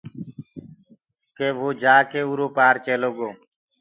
ڪي ڪي وو جآڪي اُرو پآر چيلو گو۔